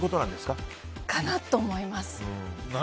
かなと思います。